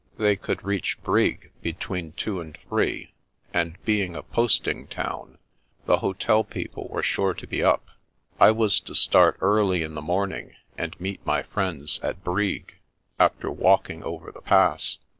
They could reach Brig between two and The Wings of the Wind 77 three, and being a posting town, the hotel people were sure to be up, I was to start early in flie morning, and meet my friends at Brig, after walking over the Pass.